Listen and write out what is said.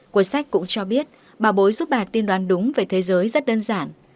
cuốn sách cũng cho biết bà bối giúp bà tin đoán đúng về thế giới rất đơn giản